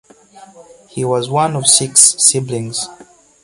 He was one of six siblings.